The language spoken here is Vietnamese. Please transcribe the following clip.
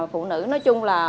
phụ nữ nói chung là